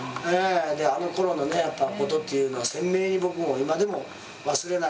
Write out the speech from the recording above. あのころのことっていうのは鮮明に僕も今でも忘れないんで。